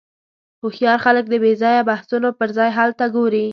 هوښیار خلک د بېځایه بحثونو پر ځای حل ته ګوري.